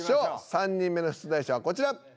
３人目の出題者はこちら。